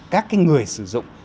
các người sử dụng